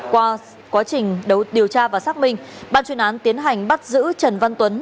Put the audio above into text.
qua quá trình điều tra và xác minh ban chuyên án tiến hành bắt giữ trần văn tuấn